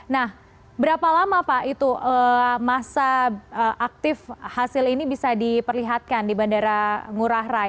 nah berapa lama pak itu masa aktif hasil ini bisa diperlihatkan di bandara ngurah rai